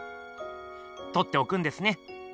とっておくんですね？